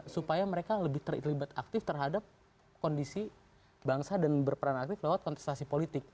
supaya mereka lebih terlibat aktif terhadap kondisi bangsa dan berperan aktif lewat kontestasi politik